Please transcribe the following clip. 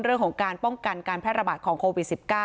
เรื่องของการป้องกันการแพร่ระบาดของโควิด๑๙